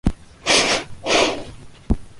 筆を執とっても心持は同じ事である。